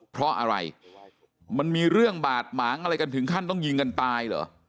เพราะอะไรมันมีเรื่องบาดหมางอะไรกันถึงขั้นต้องยิงกันตายเหรอ